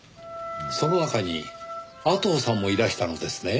その中に阿藤さんもいらしたのですね。